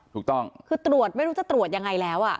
ถูกต้องคือตรวจไม่รู้จะตรวจยังไงแล้ว